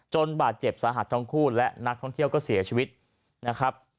บาดเจ็บสาหัสทั้งคู่และนักท่องเที่ยวก็เสียชีวิตนะครับ